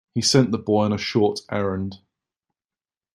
He sent the boy on a short errand.